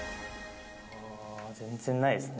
あー、全然ないですね。